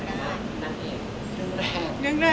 นั่นเองเรื่องแรก